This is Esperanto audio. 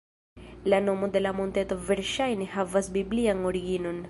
La nomo de la monteto verŝajne havas biblian originon.